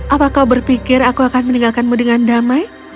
apa kau berpikir aku akan meninggalkanmu dengan damai